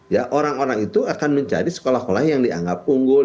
ya orang orang itu akan menjadi sekolah sekolah yang dianggap unggul